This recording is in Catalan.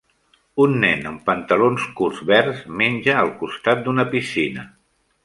Un nen amb pantalons curts verds menja al costat d'una piscina.